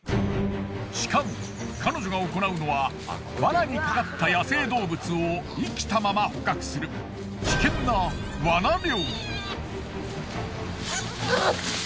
しかも彼女が行うのは罠にかかった野生動物を生きたまま捕獲する危険な罠猟。